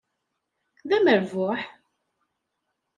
D amerbuḥ!